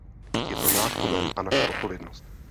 Je to náš problém a naše odpovědnost.